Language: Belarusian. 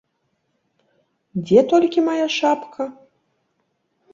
Дзе толькі мая шапка?